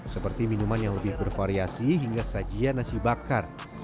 seperti minuman yang lebih bervariasi hingga sajian nasi bakar